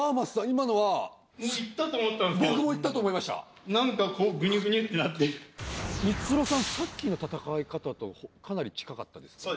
今のはいったと思ったんすけど僕もいったと思いました何かこうグニュグニュってなってミツロさんさっきの戦い方とかなり近かったですね